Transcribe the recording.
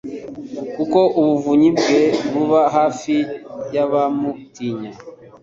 Koko ubuvunyi bwe buba hafi y’abamutinya